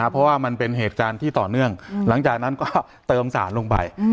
เพราะว่ามันเป็นเหตุการณ์ที่ต่อเนื่องหลังจากนั้นก็เติมสารลงไป